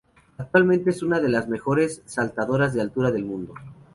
Actualmente es una de las mejores saltadoras de altura del mundo.